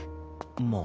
まあ。